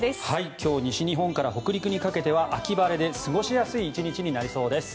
今日西日本から北陸にかけては秋晴れで過ごしやすい１日になりそうです。